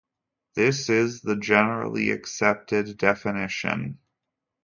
This is the generally accepted definition.